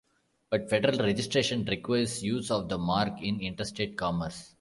But federal registration requires use of the mark in interstate commerce.